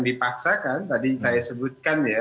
dipaksakan tadi saya sebutkan